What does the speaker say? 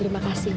terima kasih umi